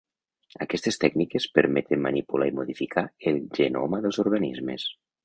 Aquestes tècniques permeten manipular i modificar el genoma dels organismes.